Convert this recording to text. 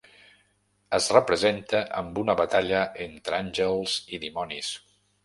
Es representa amb una batalla entre àngels i dimonis.